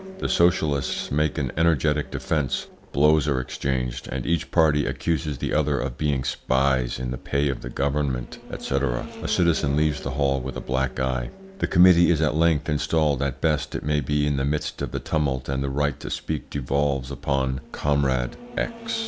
The socialists make an energetic defence; blows are exchanged, and each party accuses the other of being spies in the pay of the Government, &c. ... A citizen leaves the hall with a black eye. "The committee is at length installed as best it may be in the midst of the tumult, and the right to speak devolves upon `Comrade' X.